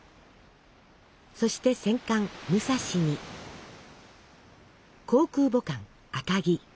そして戦艦「武蔵」に航空母艦「赤城」。